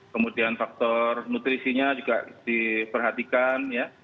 kemudian faktor nutrisinya juga diperhatikan ya